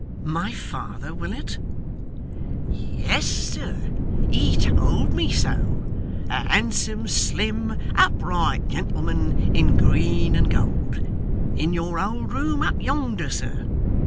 'My father, Willet!' 'Yes, sir, he told me so a handsome, slim, upright gentleman, in green and gold. In your old room up yonder, sir.